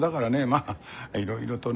まあいろいろとね。